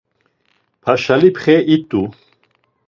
Paşalipxe it̆u.